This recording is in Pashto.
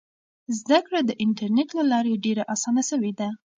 زده کړه د انټرنیټ له لارې ډېره اسانه سوې ده.